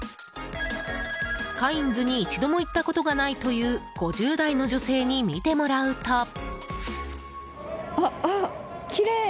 カインズに一度も行ったことがないという５０代の女性に見てもらうと。